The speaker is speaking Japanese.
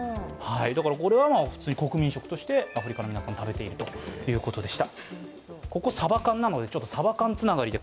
これは普通に国民食としてアフリカの皆さんは食べているということでした。